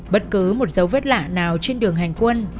bất cứ một dấu vết lạ nào trên đường hành quân